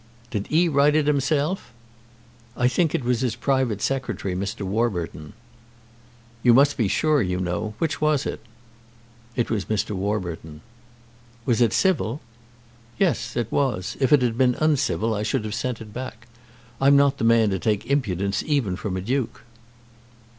"Did 'e write it 'imself?" "I think it was his private Secretary, Mr. Warburton." "You must be sure, you know. Which was it?" "It was Mr. Warburton." "Was it civil?" "Yes, it was. If it had been uncivil I should have sent it back. I'm not the man to take impudence even from a duke."